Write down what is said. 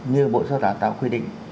như bộ giáo giáo tạo quy định